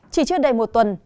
chỉ trước đây một tuần